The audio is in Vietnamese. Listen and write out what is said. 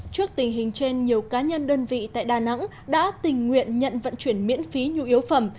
trước tình hình trên nhiều cá nhân đơn vị tại đà nẵng đã tình nguyện nhận vận chuyển miễn phí nhu yếu phẩm